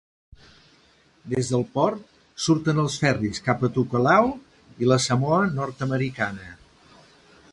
Des del port surten els ferris cap a Tokelau i la Samoa Nord-americana.